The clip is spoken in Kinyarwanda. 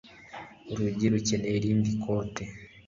Urugi rukeneye irindi kote